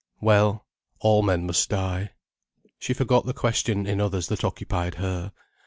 Well, all men must die. She forgot the question in others that occupied her.